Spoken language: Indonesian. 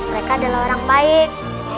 mereka adalah orang baik